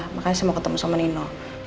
makanya saya mau ketemu sama nino